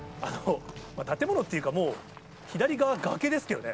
建物っていうか、もう左側、崖ですけどね。